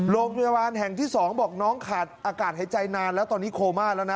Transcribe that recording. โรงพยาบาลแห่งที่๒บอกน้องขาดอากาศหายใจนานแล้วตอนนี้โคม่าแล้วนะ